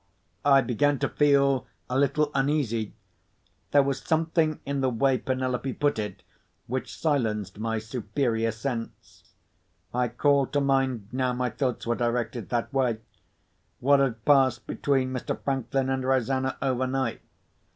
I began to feel a little uneasy. There was something in the way Penelope put it which silenced my superior sense. I called to mind, now my thoughts were directed that way, what had passed between Mr. Franklin and Rosanna overnight.